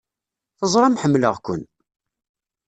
Teẓram ḥemmleɣ-ken!